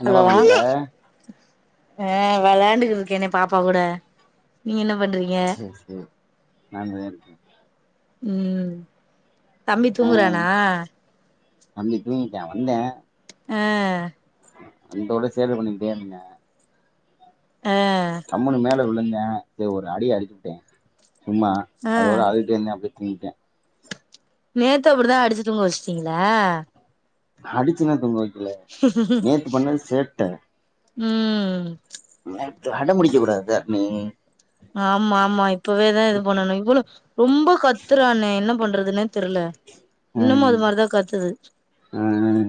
என்னப்பா ஹலோ பண்ற ஆ வெளையாண்டு இருக்கேனே பாப்பா கூட நீங்க என்ன பண்றீங் சேரி சேரி நன்றி நன்றி ம் தம்பி ஆ தூங்குறானா தம்பி தூங்கிட்டா வந்த ஆ வந்தோட சேட்ட பண்ணிடேருந்தா ஆ தம்முனு மேல விழுந்த சரி ஒரு அடி அடிச்சுட்டே சும்மா ஆ அதோட அழுதுகிட்டே இருந்த அப்டியே தூங்கிடா நேத்து அப்புடிதா அடிச்சு தூங்க வேச்சிட்டீங்ளா அடிச்சில்லா தூங்க வெக் ம் நேத்து அடம்புடிக்க கூடாது தரணி ஆமா ஆமா இப்பவேதா இது பண்ணணு இவ்ளோ ரொம்ப கத்துறானே என்ன பண்றதுனே தெரில இன்னமும் அது மாரிதா கத்துது ஆ ஆ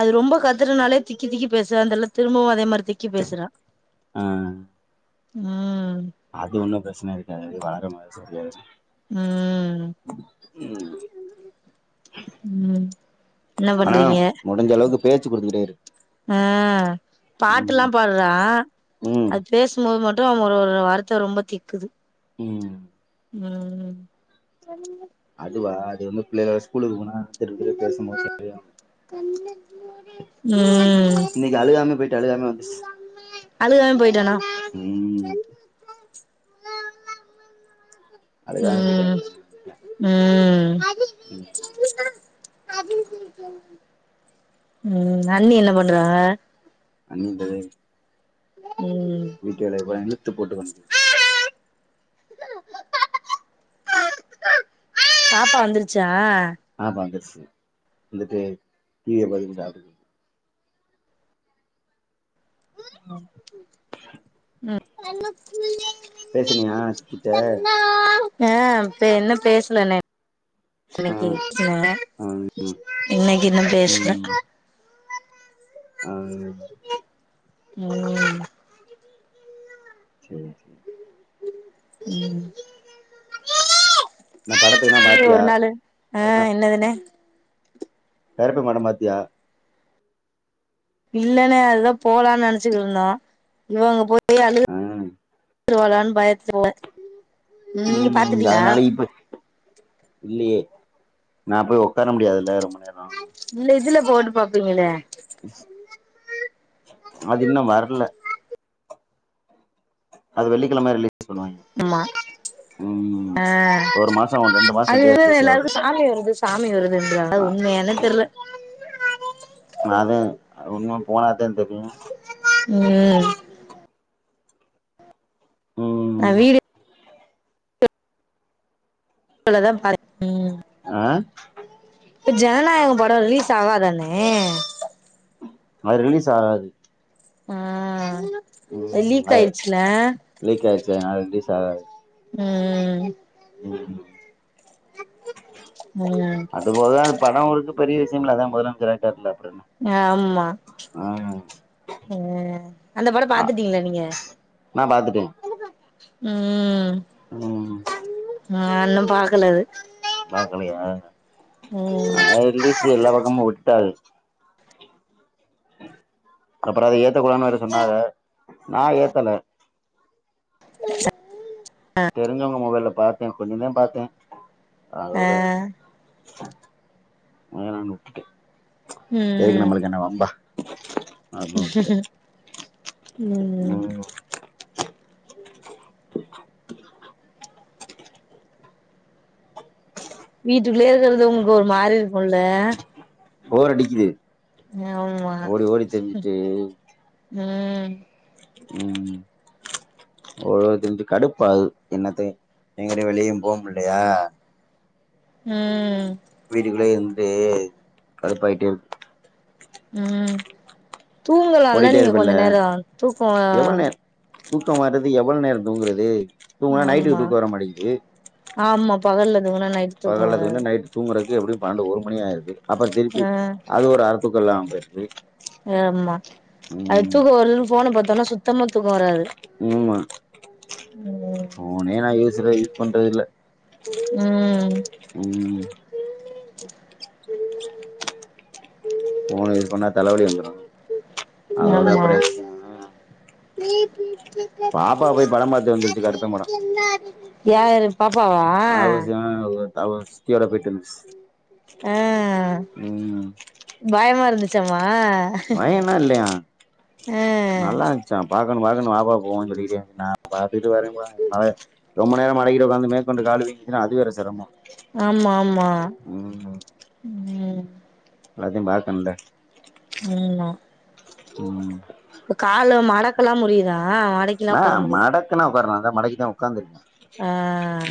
அது ரொம்ப கத்துறதுனாலே திக்கி திக்கி பேசுதான் தெர்ல திரும்பவு அதே மாரி திக்கி பேசுறா ஆ ம் அது ஒன்னு பிரச்சன இருக்காது அது வேற மாரி சரியாயிடு ம் ம் என்ன பண்றீங்க ழுடிஞ்ச அளவுக்கு பேச்சு குடுத்துக்கிட்டே இரு ஆ பாட்டுல்லா ம் பாட்றா ம் அது பேசும்போது மட்டு அம் ஒரு ஒரு வார்த்த ரொம்ப திக்குது ம் ம் ம் அதுவா அது வந்து பிள்ளைக ஸ்குலுக்கு போனா திரும்ப திரும்ப பேசும் போது சரியாயிடு ம் இன்னிக்கு அழுகாமே போயிட்டு அழுகாமே வந்துச்சு அழுகாம போயிட்டானா ம் அழுகாம போயிட்டு ம் அழுகாம வந்துட்டேன் ம் [inaudible] ஆஹ [inaudible] ம் அண்ணி என்ன பண்றாக அண்ணி து ம் வீட்டு வேலைய பூரா இழுத்து போட்டு பாப்பா வந்துருச்சா பாப்பா வந்துருச்சு வந்துட்டு டீவிய பாத்துட்டு சாப் ஹ ம் பேசுனியா [inaudible] கிட்ட ஆ இப்ப என்ன பேஸ்னனே ஆ அன்னைக்கு [inaudible] இன்னைக்கு இன்னு பேஸ்ல ம் ஆ ம் சரி ம் என்ன படத்துக்குலா இங்க பாத்தியா ஒரு நாளு ஆ என்னதுண கருப்பு படம் பாத்தியா இல்லண அதுதா போலான் நெனைச்சிட்டுந்தோ இவே அங்க போய் அழுது ஆ துருவாலான் பயத்துல நீங்க ம் பாத்துட்டீங்களா அதனால இப்ப இல்லையே நா போய் ஒக்கார முடியாதுல்ல ரொம்ப நேரோ இல்ல இதுல போட்டு பாப்பீங்களே அது இன்னு வர்ல அது வெள்ளிக் கெழம ரிலீஸ் பண்ணுவாங்க ஆமா அ ஒரு மாசோ ரெண்டு மாசோ அது சென்டு வந்து ரிலீஸ் ஆகு எல்லாருக்கு சாமி வருது சாமி வருதுன்றாங்க அது உண்மையானு தெர்ல நா தா அது இன்னு போனாதா தெரியு ம் நா ம் வீடி [inaudible] அ இப்ப ஜனநாயகம் படோ ரிலீஸ் ஆகாதாண்ணே அது ரிலீஸ் ஆகாது ஆ அது லீக் ஆயிட்ச்சுல லீக் ஆயிடுச்சு அது ரிலீஸ் ஆகாது ம் ம் ம் அது போத படோ ஓட்றது பெரிய விஷயம்ல அதா முதலமைச்சராயிட்டாருல்ல அ ஆமா அ அந்த படோ ஆ பாத்துட்டிங்ளா நீங்க நா பாத்துட்டே. ம். ம். நா இன்னும் பாக்கல அது. பாக்கலையா ம் அ ரிலீசு எல்லா பக்கமு விட்டுட்டாக. அப்புறோ அத ஏத்தக்கூடாதுன்னு வேற சொன்னாக நா ஏத்தல. ச தெரிஞ்சவங்க மொபைல்ல பாத்தே கொஞ்சதா பாத்தே ஆ அதோட அத நானு உட்டுட்டே எதுக்கு நம்முளுக்கு என்ன வம்பா. அப்படின்னு ம் ம். ம் வீட்டுக்குள்ளயே இருக்கறது உங்குளுக்கு ஒரு மாரிருக்குல்ல. போரடிக்குது. ஆமா ஓடி ஓடி திரிஞ்சுட்டு ம். ம். [unintelligible] தின்ட்டு கடுப்பாகுது என்னத்த எங்கிட்டியு வெளியும் போமுல்லையா ம் ம். வீட்டுகுள்ளயே இருந்துட்டு கடுப்பாய்ட்டேருக்கு. ம் தூங்கலால்ல ஓடிட்டே நீங்க கொஞ்ச நேரோ தூக்கோ அ தூக்கோ வரேது எவள் நேரோ தூங்கறது தூங்குனா நைட்டுக்கு ஆமா தூக்க வர மாட்டிக்கிது. ஆமா பகல்ல தூங்குனா நைட்டு தூக்கோ வராது. தூங்குறக்கு எப்பிடியு பன்னென்டு ஒரு மணி ஆயிருது அப்புற திருப்பி ஆ அது ஒரு அரத்தூக்க இல்லாம போயிர்து. ஆம்மா அது தூக்கோ வருதுனு ஃபோன பாத்தன்னா சுத்தமா தூக்கோ வராது. ம்மா ம் ஃபோனே நா யூசர யூஸ் பண்றதில்ல. ம். ம். ஃபோன யூஸ் பண்ணா தலவலி வந்துரு அதோட ஆமா அப்பற [inaudible] படம் பாத்து வந்துருச்சு கருப்பன் படம் யாரு பாப்பாவா? அவவ் சித்தியோட போய்ட்டு வந்ச்சு ஆ ம். பயமா இருந்துச்சாமா? பயல்லா இல்லையா ஆ நல்லா ச்சா பாக்கணு பாக்கணு வாப்பா போவோன் சொல்லிகிட்டே இந்துச்சு நா பாத்துகிட்டு வரேம்பா இதுகுமேல ரொம்ப நேரோ மடக்கிட்டு ஒக்காந்து மேக்கொண்டு காலு வீங்குச்சுனா அதுவேற சிரமோ. ஆமா ஆமா ம். எல்லாத்தியு பாக்குண்ல. ம்மா. ம். இப்ப காலு மடக்கல்லாம் முடியிதா? ஆ மடக்கலா உக்கார்லா அதா மடக்கிதா உக்காந்துருக்கே. ஆ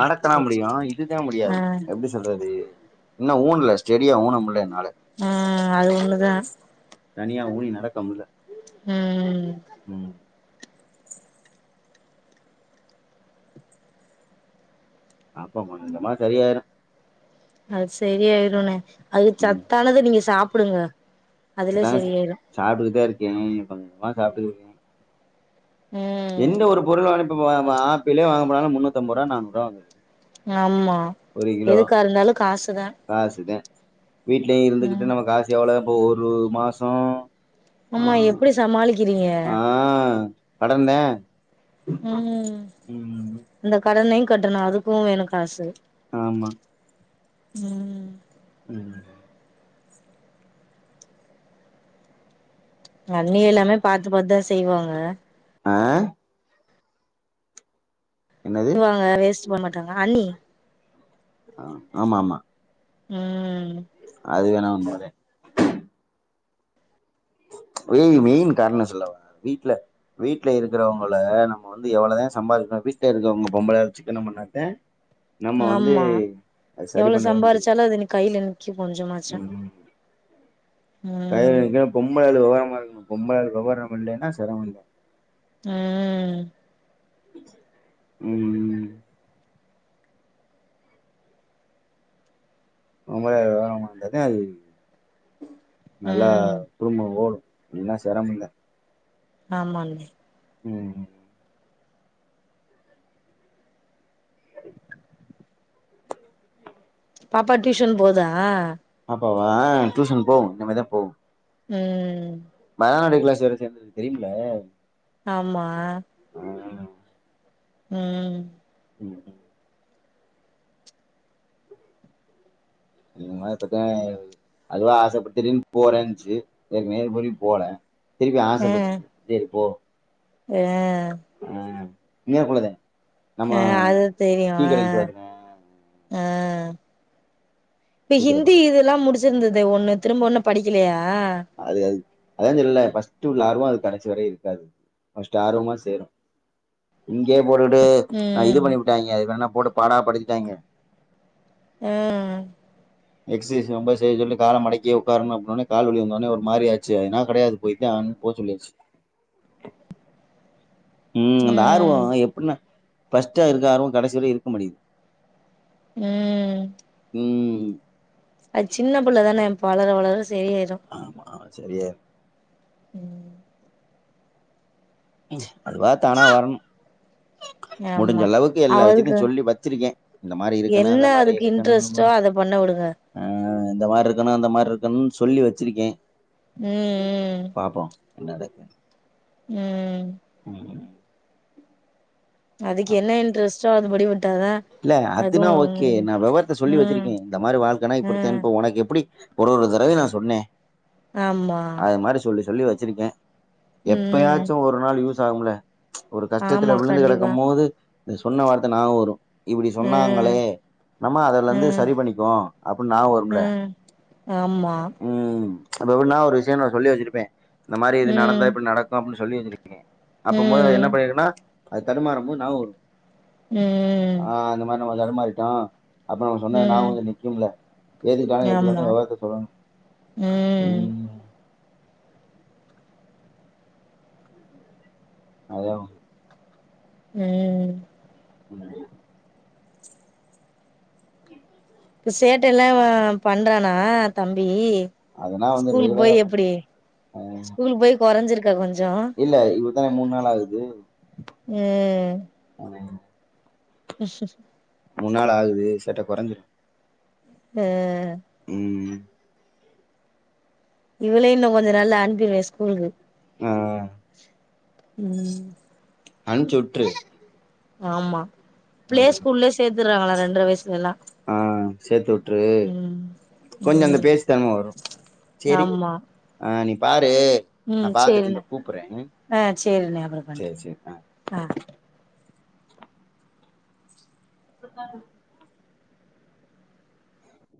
மடக்கலா சேரி முடியு சேரி இதுதா ஆ முடியாது எப்டி ஸ் சொல்றது இன்னு ஊன்ல ஸ்டெடியா ஊனமுல்ல என்னால. அ அது ஒன்னுதா தனியா ஊனி நடக்க முடில ம். ம். அப்ப கொஞ்சமா சரியாயிரு. அது சரியாயிறுனு அது ம் சத்தானது நீங்க சாப்டுங்க அதுலயே சரியாயிறு சாப்டுட்டுதா இருக்கே கொஞ்ச கொஞ்சமா சாப்டுட்ருக்கே ம் எந்த ஒரு பொருளு வாங்க இப்ப வ வ ஆப்பிளே வாங்க போனாலு முன்னூத்தம்பருவா நானூறுவா வந்துரு ஆமா எதுக்கா இருந்தாலு காசுதா காசுது வீட்லயு ம் இருந்துகிட்டு நம்ம காசு எவளோ இப்போ ஒரு மாஷோ ஆமா எப்டி சமாளிக்கிறீங்க கடன்தே ம் இந்த கடனையு கட்டணு அதுக்கு வேணு காசு ஆமா ம் ம் அண்ணி எல்லாமே பாத்து பாத்தா செய்வாங்க ஆ என்னது அவுங்க வேஸ்ட் பண்ண மாட்டாங்க அண்ணி ஆ ஆமா ஆமா ம் அது வேணா உண்மதே வெய் மெயின் காரணோ சொல்லவா வீட்ல வீட்ல இருக்கறவங்கள நம்ம வந்து எவ்வளோதே சம்பாறிக்கணு வீட்டுல இருக்கவங்க பொம்பளையாலு சிக்கனொ பண்ணாத்தே நம்ம வந்து ஆமா அது சரி எவ்ளோ பண்ணவே முடியு சம்பாரிச்சாலு அது கையில நிக்கு கொஞ்சமாச்சு ம் கயரு ம் விறிகுற பொம்பளையாலு வெவரமா இருக்கணு பொம்பளையாலு வெவரம் இல்லேனா செரமந்தே ம் ம் பொம்பளையாலு வெவரமா இருந்தாதே அது நல்லா ம் குடும்போ ஓடு இல்லனா செரமந்தே ஆமாங்ணே ம் பாப்பா டியூஷன் போதா பாப்பாவா அ டியூஷன் போகு இனிமே தா போகு ம் பயாநாடு க்ளாஸ் வேற சேந்துருக்கு தெரியும்ல ஆமா அ ம் ம் இந்த மாதிரி இப்பத்தே அதுவா ஆசப்பட்டு திரும்பி போறேன்ச்சு ஏற்க் மேல்படி போல திருப்பி அ ஆசப்பட்டுச்சு சேரி போ அ அ இங்ன குள்ளதே ஆ அது தெரியு ஆ பக்கத்துல ஆ இப்ப டீ கட ஹிந்தி பக்கத்துல இது லா முடுச்சிருந்ததே ஒண்ணு திரும்ப ஒண்ணு படிக்கலையா அது அது அதான் சொல்லன்ல ஃபஸ்ட் உள்ள ஆர்வோ அது கடைசி வரையு இருக்காது ஃபஸ்ட்டு ஆர்வமா சேரு இங்கயே போட்டுட்டு நா இது ம் பண்ணி வுட்டாய்ங்க அது என்னனா போட்டு பாடா படுத்திட்டாய்ங்க ஆ எக்சைஸ் ரொம்ப செய்ய சொல்லி கால மடக்கியே உட்காரணு அப்படின்னொன்னே கால் வலி வந்துட்டு உடனே ஒரு மாறி ஆச்சு அது எல்லா கெடையாது போய் தான் ஆகணு போக சொல்லியாச்சு ம் அந்த ஆர்வோ எப்படின்னா பர்ஸ்ட்டா இருக்க ஆர்வோ கடைசிவர இருக்க மாட்டிக்குது ஆ ம் அது சின்ன பிள்ளைதானே வளர வளர சரியாயிரு ஆமா ஆ சரியாயிரு ம் ச்சி அதுவா தானா வரணு முடிஞ்ச ஆமா அளவுக்கு எல்லா அவளுக்கு விஷயத்தையு சொல்லி வச்சிருக்கே இந்த மாதிரி இருக்கணு என்ன அந்த மாதிரி அதுக்கு இன்ட்ரெஸ்ட்டோ இருக்கணு அத பண்ண விடுங்க ஆ இந்த மாரி இருக்கணு அ அந்த மாரி இருக்கணுனு சொல்லி வச்சிருக்கே ம் பாப்போ என்ன நடக் ம் ம் அதுக்கு என்ன இன்ட்ரெஸ்ட்டோ அது படி விட்டாதா இல்ல அதுவு அதுனா ஓக்கே நா வெவரத்த சொல்லி ம் வச்சுருக்கே இந்த மாரி வாழ்க்கனா இப்படித்தே ம் இப்ப ஒனக்கு எப்படி ஒரொரு தடவயு நா சொன்னே ஆமா அது மாரி சொல்லி சொல்லி வச்சிருக்கே ம் எப்பயாச்சு ஒரு நாள் யூஸ் ஆகும்ல ம்ச் ஒரு ஆமா கஷ்டத்துல விழுந்து கண்டிப்பா கெடக்கும் மோது சொன்ன வார்த்த நாபகோ வரு இப்படி ம் சொன்னாங்களே நம்ம அதுல இருந்து ம் சரி பண்ணிக்குவோம் அப்படின்னு நியாபகோ வருல ம் ஆமா ம் ம்ச் இப்ப எப்பட்னா ஒரு விஷயோ நா சொல்லி வச்சுருப்பே இந்த மாரி இது ம் நடந்தா இப்டி நடக்கு அப்டின்னு சொல்லி வச்சிருக்கே அப்ப மோது அது என்ன ம் பண்ணிருக்குனா அது தடுமாறு மோது நியாபகோ வரு ஆ ஆ இந்த மாரி நம்ம தடுமாறிட்டோ அப்புறோ நா சொன்னா ம் நியாபகோ நிக்கும்ல எது வேனா எது ஆமா வேனு வெவரத்த சொல்லணு ம் அதா ம் ம் சேட்டை எல்லா ஆ பண்றானா தம்பி அதெல்லாம் வந்து ஸ்கூலுக்கு ரெகுலரா போய் எப்படி பண்றேன் அ ஸ்கூலுக்கு போய் கொறைஞ்சிருக்கா கொஞ்சோ இல்ல இப்ப தனே மூணு நாள் ஆகுது ஆ உம் முணு நாள் ஆகுது சேட்ட கொறஞ்சுரு ஆ ம் இவளயு இன்னு கொஞ்சு நாள்ல அனுப்பிருவே ஸ்கூலுக்கு ஆ ம் அனுப்ச்சுட்டுரு ஆமா பிலே ஸ்கூல்ல சேத்தறாங்களா ரெண்டர வயசுலலா ஆ சேத்து உட்டுரு கொஞ்சோ அந்த ம் பேச்சு தெறம வரு சேரி ஆமா ஆ நீ பாரு ம் நான் பாத்துட்டு சேரிண்ண இந்த கூப்புட்றேன் ம் ஆ சேரிண்ண அப்றோ பண்ற சேரி சேரி ஆ ஆ [unintelligible]